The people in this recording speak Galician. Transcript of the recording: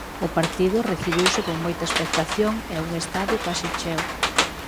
O partido recibiuse con moita expectación e un estadio case cheo.